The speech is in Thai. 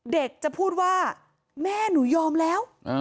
เด็กจะพูดว่าแม่หนูยอมแล้ว